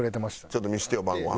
ちょっと見せてよ晩ごはん。